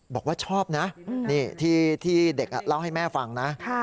บอกว่าชอบนะนี่ที่เด็กเล่าให้แม่ฟังนะ